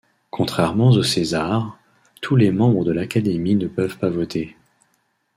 Contrairement aux César, tous les membres de l'académie ne peuvent pas voter.